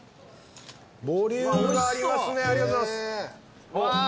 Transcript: ボリュームがありますねありがとうございます。